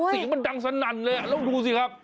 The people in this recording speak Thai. เสียงมันดังสนั่นเลยแล้วดูสิครับ